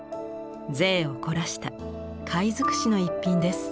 贅を凝らした貝尽くしの一品です。